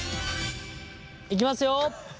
いきますよ！